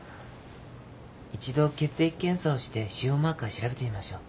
一度血液検査をして腫瘍マーカー調べてみましょう。